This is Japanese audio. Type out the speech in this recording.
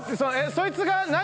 そいつが何？